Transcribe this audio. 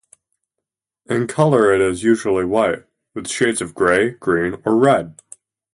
In color it is usually white, with shades of grey, green, or red.